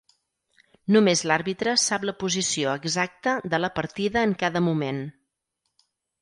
Només l'àrbitre sap la posició exacta de la partida en cada moment.